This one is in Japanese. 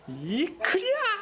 クリア！